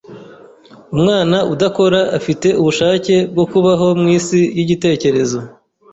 Umwana udakora afite ubushake bwo kubaho mwisi yigitekerezo.